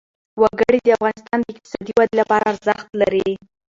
وګړي د افغانستان د اقتصادي ودې لپاره ارزښت لري.